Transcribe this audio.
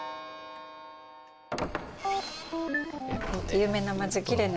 有名な町きれいな。